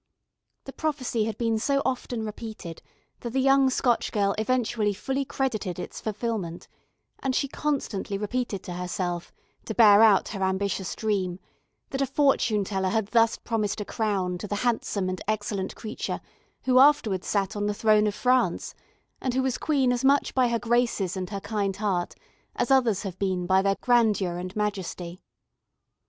The prophecy had been so often repeated, that the young Scotch girl eventually fully credited its fulfilment; and she constantly repeated to herself, to bear out her ambitious dream, that a fortune teller had thus promised a crown to the handsome and excellent creature who afterwards sat on the throne of France, and who was queen as much by her graces and her kind heart as others have been by their grandeur and majesty.